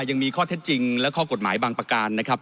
ยังมีข้อเท็จจริงและข้อกฎหมายบางประการนะครับ